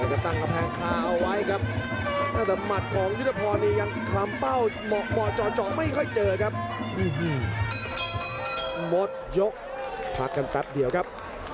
หมดยกพักกันแป๊บเดียวครับ